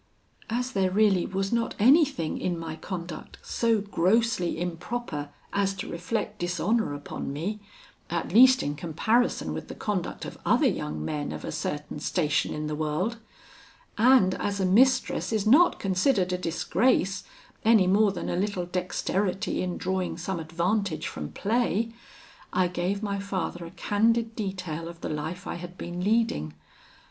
"As there really was not anything in my conduct so grossly improper as to reflect dishonour upon me; at least, in comparison with the conduct of other young men of a certain station in the world; and as a mistress is not considered a disgrace, any more than a little dexterity in drawing some advantage from play, I gave my father a candid detail of the life I had been leading.